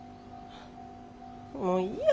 もういいや。